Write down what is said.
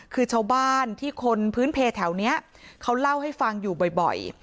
คือชาวบ้านที่คนพื้นเพลแถวนี้เขาเล่าให้ฟังอยู่บ่อย